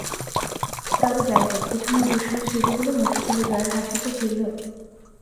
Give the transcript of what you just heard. তবে যাই হোক, পেছনের দুঃসহ স্মৃতিগুলো মুছে ফেলে জয়ের হাসি তো ফিরল।